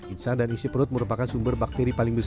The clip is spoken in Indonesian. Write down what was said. insang dan isi perut merupakan sumber bakteri paling besar